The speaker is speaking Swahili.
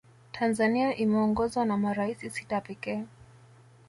tanzania imeongozwa na maraisi sita pekee